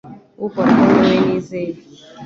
Uhoraho ni wowe nizeye